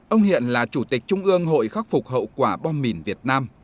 ông hiện là chủ tịch trung ương hội khắc phục hậu quả bom mìn việt nam